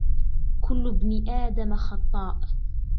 كل ابن آدم خطاّء